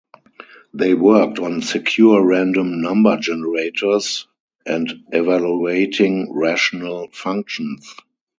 They worked on secure random number generators and evaluating rational functions.